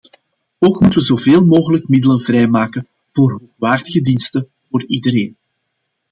Ook moeten we zo veel mogelijk middelen vrijmaken voor hoogwaardige diensten voor iedereen.